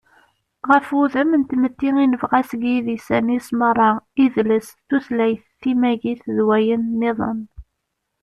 ɣef wudem n tmetti i nebɣa seg yidisan-is meṛṛa: idles, tutlayt, timagit, d wayen-nniḍen